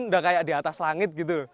udah kayak di atas langit gitu